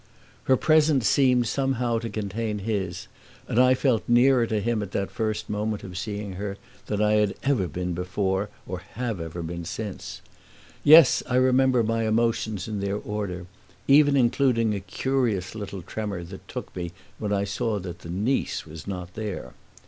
Her presence seemed somehow to contain his, and I felt nearer to him at that first moment of seeing her than I ever had been before or ever have been since. Yes, I remember my emotions in their order, even including a curious little tremor that took me when I saw that the niece was not there.